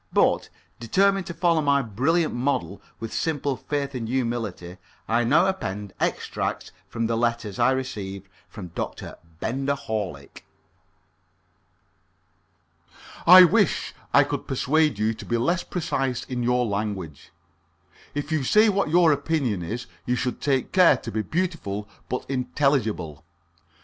But, determined to follow my brilliant model with simple faith and humility, I now append extracts from the letters I received from Dr. Benger Horlick. "I wish I could persuade you to be less precise in your language. If you say what your opinion is, you should take care to be beautiful but unintelligible.